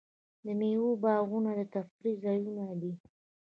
د میوو باغونه د تفریح ځایونه دي.